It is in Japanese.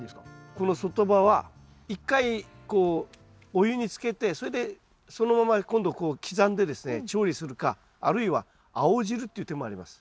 この外葉は一回こうお湯につけてそれでそのまま今度こう刻んでですね調理するかあるいは青汁っていう手もあります。